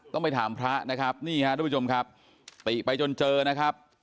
ต้องไปถามพระนะครับนี่ฮะทุกผู้ชมครับติไปจนเจอนะครับ